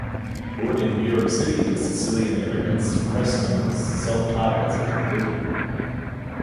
Born in New York City to Sicilian immigrants, Creston was self-taught as a composer.